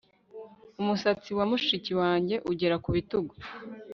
Umusatsi wa mushiki wanjye ugera ku bitugu